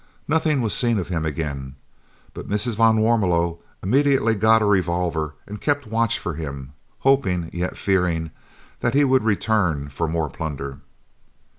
Nothing was seen of him again, but Mrs. van Warmelo immediately got a revolver and kept watch for him, hoping, yet fearing, that he would return for more plunder.